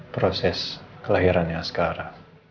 proses kelahirannya askara